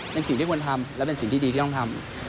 เป็นสิ่งที่ควรทำและเป็นสิ่งที่ดีที่ต้องทำ